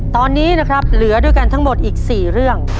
ตอนนี้นะครับเหลือด้วยกันทั้งหมดอีก๔เรื่อง